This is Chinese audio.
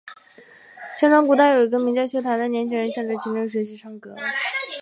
相传古代有一个名叫薛谭的年轻人向秦青学习唱歌。